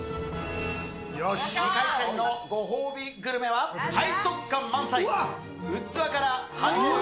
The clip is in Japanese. ２回戦のご褒美グルメは、背徳感満載、器からはみ出る